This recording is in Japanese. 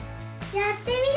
やってみる！